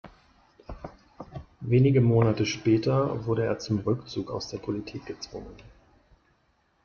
Wenige Monate später wurde er zum Rückzug aus der Politik gezwungen.